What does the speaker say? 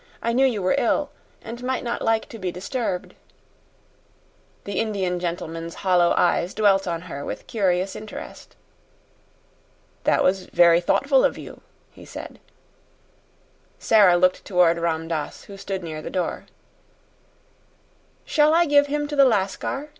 I knew you were ill and might not like to be disturbed." The Indian gentleman's hollow eyes dwelt on her with curious interest. "That was very thoughtful of you," he said. Sara looked toward Ram Dass, who stood near the door. "Shall I give him to the Lascar?"